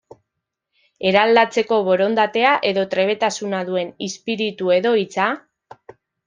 Eraldatzeko borondatea edo trebetasuna duen izpiritu edo hitza?